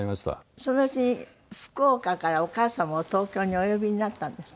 そのうちに福岡からお母様を東京にお呼びになったんですって？